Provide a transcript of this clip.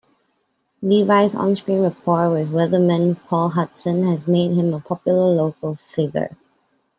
Levy's on-screen rapport with weatherman Paul Hudson has made him a popular local figure.